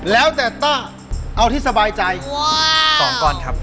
แล้วแต่เตาะเอาที่สบายใจสองก่อนครับ